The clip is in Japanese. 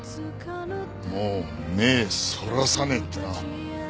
もう目ぇそらさねえってな。